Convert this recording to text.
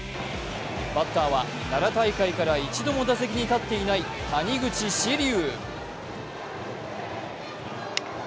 バッターは奈良大会から一度も打席に立っていない谷口志琉。